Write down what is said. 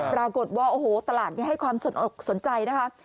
ปรากฏว่าโอ้โหตลาดนี่ให้ความสนใจนะครับ